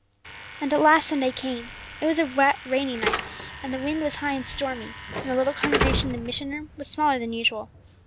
And at last Sunday came. It was a wet, rainy night, the wind was high and stormy, and the little congregation in the mission room was smaller than usual.